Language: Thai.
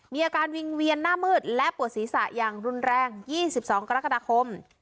มีอาการวิ่งเวียนหน้ามืดและปวดศีรษะอย่างรุนแรง๒๒กรกฎาคม